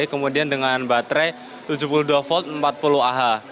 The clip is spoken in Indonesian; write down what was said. kemudian dengan baterai tujuh puluh dua volt empat puluh ah